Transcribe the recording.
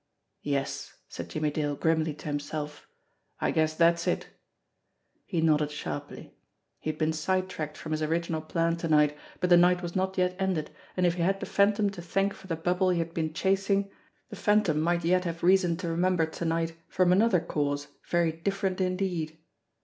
"Yes," said Jimmie Dale grimly to himself. "I guess that's it." He nodded sharply. He had been side tracked from his original plan to night, but the night was not yet ended, and if he had the Phantom to thank for the bubble he had been chasing, the Phantom might yet have reason to remember to night from another cause very different indeed!